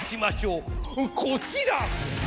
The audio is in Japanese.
こちら！